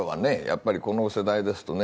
やっぱりこの世代ですとね